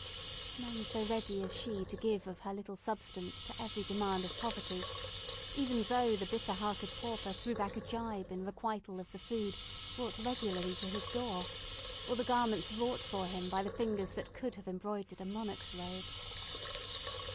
None so ready as she to give of her little substance to every demand of poverty, even though the bitter hearted pauper threw back a gibe in requital of the food brought regularly to his door, or the garments wrought for him by the fingers that could have embroidered a monarch's robe.